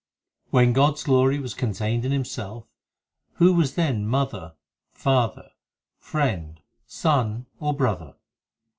5 When God s glory was contained in Himself, Who was then mother, father, friend, son, or brother